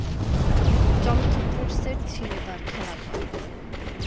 চলচ্চিত্রের সেট ছিলো তার খেলাঘর।